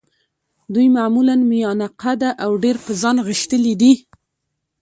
دوی معمولاً میانه قده او ډېر په ځان غښتلي دي.